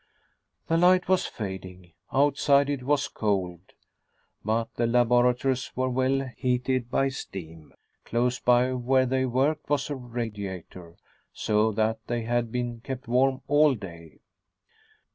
The light was fading. Outside, it was cold, but the laboratories were well heated by steam. Close by where they worked was a radiator, so that they had been kept warm all day.